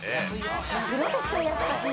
マグロでしょやっぱ。